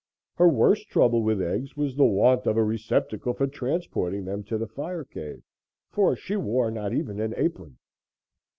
Her worst trouble with eggs was the want of a receptacle for transporting them to the fire cave, for she wore not even an apron.